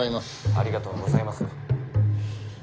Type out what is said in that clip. ありがとうございます。